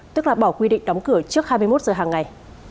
tức là bỏ quy định đóng cửa trước hai mươi một giờ hàng ngày